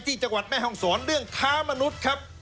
ดูเรื่องท้ามนุษย์ครับ